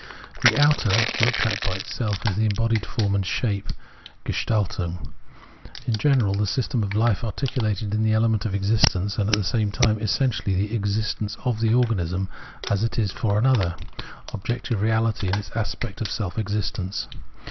The outer, looked at by itself, is the embodied form and shape (Gestaltung) in general, the system of Life articulated in the element of existence, and at the same time essentially the existence of the organism as it is for an other — objective reality in its aspect of self existence.